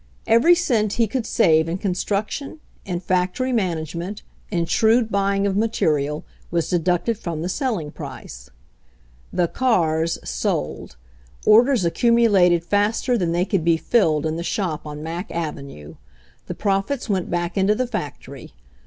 Every cent he could save in con struction, in factory managment, in shrewd buy ing of material was deducted from the selling price. The cars sold. Orders accumulated faster than they could be filled in the shop on Mack ave nue. The profits went back into the factory.